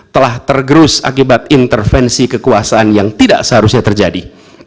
telah tergerus akibat intervensi kekuasaan yang tidak seharusnya terjadi